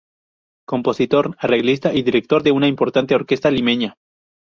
Compositor, arreglista y director de una importante orquesta limeña.